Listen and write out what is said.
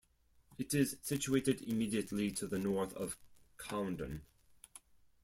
It is situated immediately to the north of Coundon.